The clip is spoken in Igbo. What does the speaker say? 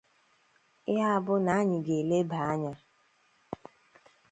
Ya bụ na anyị ga-eleba anya